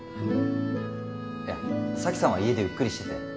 いや沙樹さんは家でゆっくりしてて。